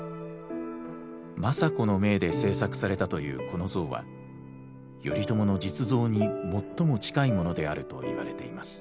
政子の命で制作されたというこの像は頼朝の実像に最も近いものであるといわれています。